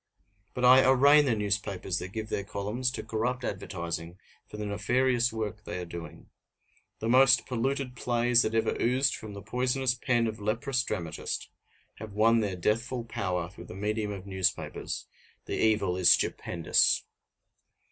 But I arraign the newspapers that give their columns to corrupt advertising for the nefarious work they are doing. The most polluted plays that ever oozed from the poisonous pen of leprous dramatist have won their deathful power through the medium of newspapers; the evil is stupendous!